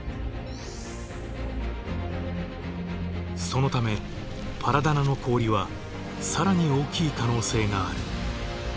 そのためパラダナの氷は更に大きい可能性がある。